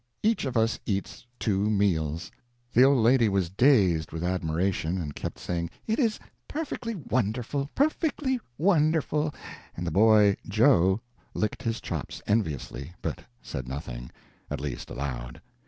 Each of us eats two meals." The old lady was dazed with admiration, and kept saying, "It is perfectly wonderful, perfectly wonderful" and the boy Joe licked his chops enviously, but said nothing at least aloud.